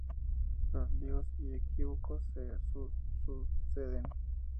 Los líos y equívocos se suceden.